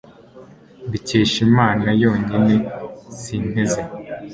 mbikesha imana yonyine, sinteze